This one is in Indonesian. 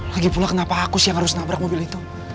lagipula kenapa aku sih yang harus nabrak mobil itu